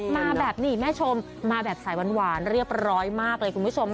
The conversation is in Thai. มาแบบนี้แม่ชมมาแบบสายหวานเรียบร้อยมากเลยคุณผู้ชม